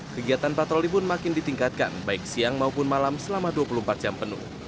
kegiatan patroli pun makin ditingkatkan baik siang maupun malam selama dua puluh empat jam penuh